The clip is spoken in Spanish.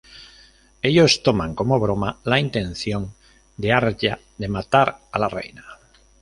Ellos toman como broma la intención de Arya de matar a la Reina.